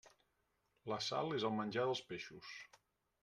La sal és el menjar dels peixos.